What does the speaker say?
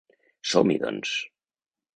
Som-hi doncs!